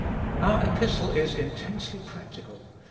OUR Epistle is intensely practical.